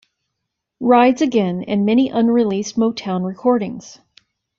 Rides Again, and many unreleased Motown recordings.